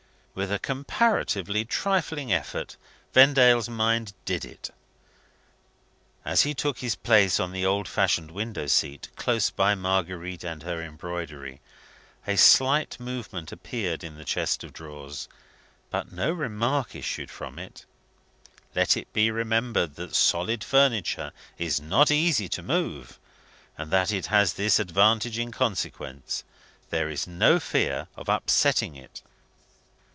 With a comparatively trifling effort, Vendale's mind did it. As he took his place on the old fashioned window seat, close by Marguerite and her embroidery, a slight movement appeared in the chest of drawers, but no remark issued from it. Let it be remembered that solid furniture is not easy to move, and that it has this advantage in consequence there is no fear of upsetting it.